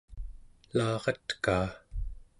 elaratkaa